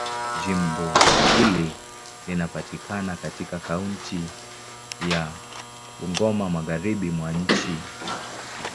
Jimbo hili linapatikana katika kaunti ya Bungoma, Magharibi mwa nchi.